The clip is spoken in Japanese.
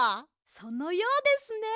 そのようですね。